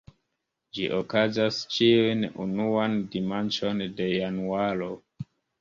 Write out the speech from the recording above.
Ĝi okazas ĉiun unuan dimanĉon de januaro.